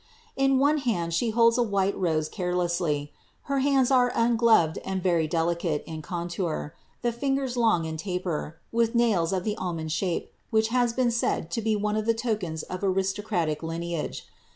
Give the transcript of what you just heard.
»ne hand she holds a white rose carelessly. Her hands are un and very delicate in contour, the fingers long and taper, with nails almond shape, which has been said to be one of the tokens of «atic lineage.